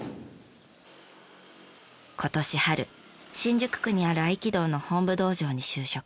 今年春新宿区にある合気道の本部道場に就職。